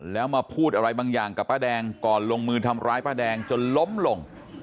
แล้วมาพูดอะไรบางอย่างกับป้าแดงก่อนลงมือทำร้ายป้าแดงจนล้มลง